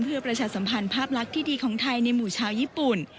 เพื่อประชาสัมพันธ์ภาพลักษณ์ที่ดีของไทยในหมู่ชาวญี่ปุ่น